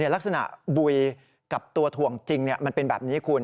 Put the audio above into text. ลักษณะบุยกับตัวถ่วงจริงมันเป็นแบบนี้คุณ